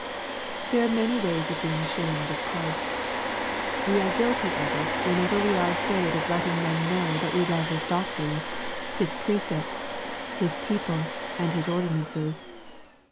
There are many ways of being ashamed of Christ. We are guilty of it whenever we are afraid of letting men know that we love His doctrines. His precepts, His people, and His ordinances.